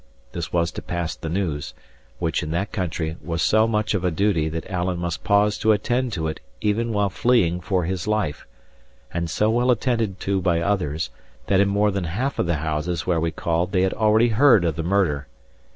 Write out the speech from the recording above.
This was to pass the news; which, in that country, was so much of a duty that Alan must pause to attend to it even while fleeing for his life; and so well attended to by others, that in more than half of the houses where we called they had heard already of the murder.